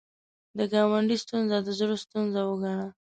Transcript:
د ګاونډي ستونزه د زړه ستونزه وګڼه